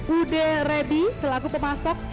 ude rebi selaku pemasok